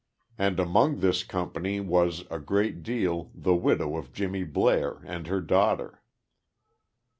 And among this company, was a great deal, the widow of Jimmy Blair, and her daughter.